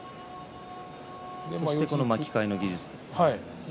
そして、この巻き替えの技術ですね。